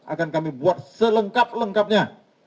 akan kami buat selengkap lengkapnya